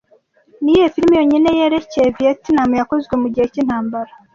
Niyihe firime yonyine yerekeye Vietnam yakozwe mugihe cyintambara